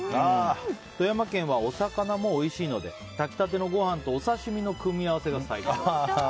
富山県はお魚もおいしいので炊きたてのご飯とお刺し身の組み合わせが最高。